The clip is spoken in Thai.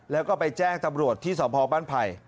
แล้วก็ไปแจ้งตำรวจที่สมภองบ้านภัย